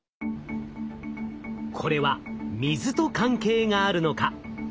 これは水と関係があるのか？